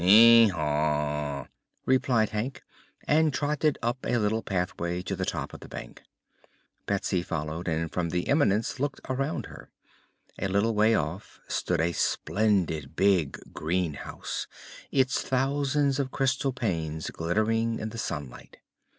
"Hee haw!" replied Hank and trotted up a little pathway to the top of the bank. Betsy followed and from the eminence looked around her. A little way off stood a splendid big greenhouse, its thousands of crystal panes glittering in the sunlight.